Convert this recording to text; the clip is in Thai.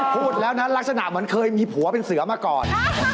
พูดแล้วนะลักษณะเหมือนเคยมีผัวเป็นเสือมาก่อน